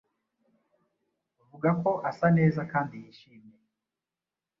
vuga ko asa neza kandi yishimye